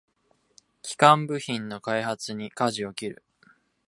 基幹部品の開発にかじを切る